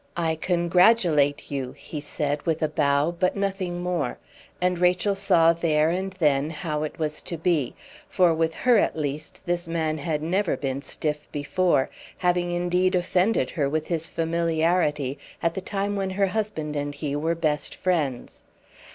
"I congratulate you," he said, with a bow but nothing more; and Rachel saw there and then how it was to be; for with her at least this man had never been stiff before, having indeed offended her with his familiarity at the time when her husband and he were best friends.